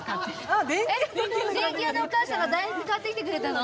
電気屋のお母さんが大福買ってきてくれたの？